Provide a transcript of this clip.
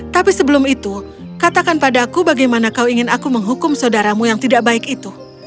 tapi sebelum itu katakan pada aku bagaimana kau ingin aku menghukum saudaramu yang tidak baik itu